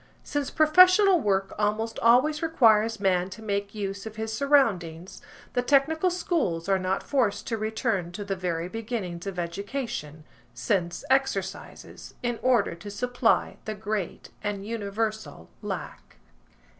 Since professional work almost always requires man to make use of his surroundings, the technical schools are not forced to return to the very beginnings of education, sense exercises, in order to supply the great and universal lack.